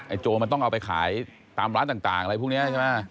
โจรมันต้องเอาไปขายตามร้านต่างอะไรพวกนี้ใช่ไหม